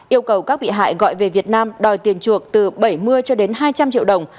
yêu cầu các bị hại gọi về việt nam đòi tiền chuộc từ bảy mươi cho đến hai trăm linh triệu đồng